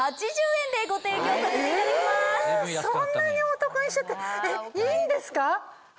そんなにお得にしちゃっていいんですか？